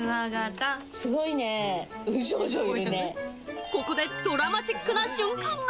すごいね、ここでドラマチックな瞬間が。